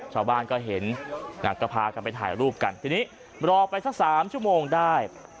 ชาวบ้านก็เห็นก็พากันไปถ่ายรูปกันทีนี้รอไปสัก๓ชั่วโมงได้